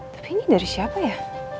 tapi ini dari siapa ya